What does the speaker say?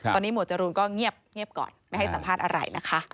ตอนนี้หมวดจรูนก็เงียบก่อนไม่ให้สัมภาษณ์อะไรนะคะ